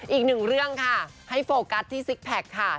อีกหนึ่งเรื่องค่ะให้โฟกัสที่ซิกแพคค่ะ